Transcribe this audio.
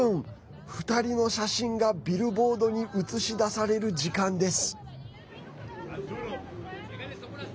２人の写真がビルボードに映し出される時間です。